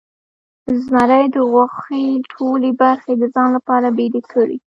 زمري د غوښې ټولې برخې د ځان لپاره بیلې کړې.